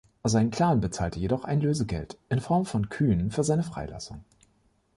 Sein Clan bezahlte jedoch ein Lösegeld in Form von Kühen für seine Freilassung.